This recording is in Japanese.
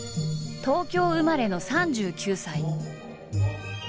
東京生まれの３９歳。